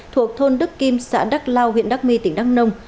thuộc thôn đức kim xã đắk lao huyện đắk my tỉnh đắk nông